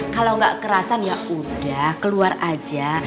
kalau nggak kerasan ya udah keluar aja